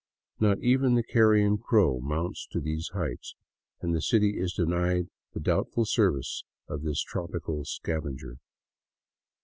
Not even the carrion crow mounts to these heights, and the city is denied the doubtful services of this tropical scavenger.